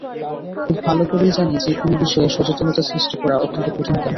খুব ভালো করেই জানি, যেকোনো বিষয়ে সচেতনতা সৃষ্টি করা অত্যন্ত কঠিন কাজ।